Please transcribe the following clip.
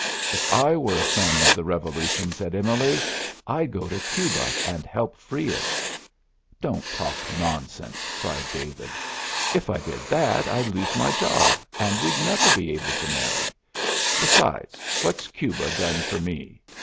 "If I were a Son of the Revolution," said Emily, "I'd go to Cuba and help free it." "Don't talk nonsense," cried David. "If I did that I'd lose my job, and we'd never be able to marry. Besides, what's Cuba done for me?